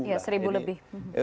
iya seribu lebih